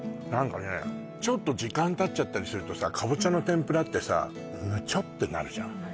これちょっと時間たっちゃったりするとさカボチャの天ぷらってさムチョってなるじゃん